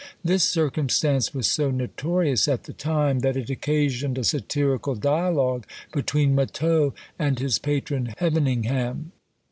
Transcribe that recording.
This circumstance was so notorious at the time, that it occasioned a satirical dialogue between Motteux and his patron Heveningham.